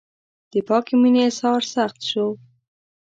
د پاکې مینې اظهار سخت شو.